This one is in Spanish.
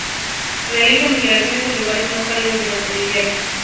Realiza migraciones a lugares más cálidos durante el invierno.